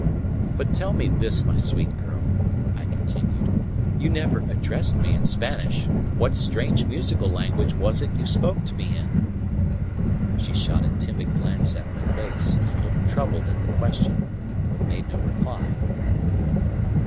"But tell me this, my sweet girl," I continued. "You never addressed me in Spanish; what strange musical language was it you spoke to me in?" She shot a timid glance at my face and looked troubled at the question, but made no reply.